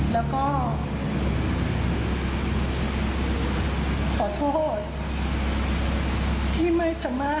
แล้วก็ขอโทษที่ไม่สามารถ